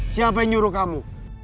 siapa yang nyuruh kamu